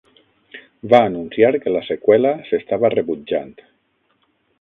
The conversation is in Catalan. Va anunciar que la seqüela s'estava rebutjant.